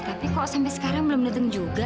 tapi kok sampai sekarang belum datang juga